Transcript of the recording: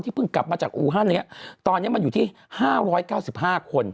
ที่เพิ่งกลับมาจากอูฮันตอนนี้มันอยู่ที่๕๙๕คน